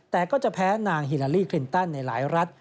แต่ก็จะแพ้นางฮิลาลีคลินตันในหลายรัฐ